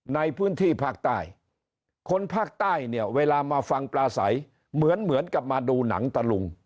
ในพื้นที่ภาคใต้คนภาคใต้เนี่ยเวลามาฟังปลาใสเหมือนเหมือนกับมาดูหนังตะลุง